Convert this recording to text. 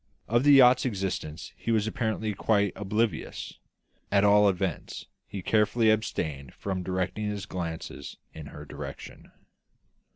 Of the yacht's existence he was apparently quite oblivious; at all events, he carefully abstained from directing his glances in her direction.